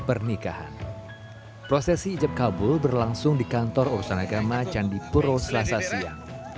pernikahan prosesi ijab kabul berlangsung di kantor urusan agama candipuro selasa siang